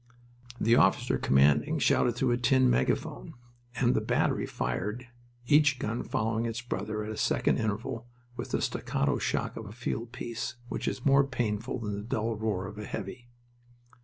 The officer commanding shouted through a tin megaphone, and the battery fired, each gun following its brother at a second interval, with the staccato shock of a field piece, which is more painful than the dull roar of a "heavy."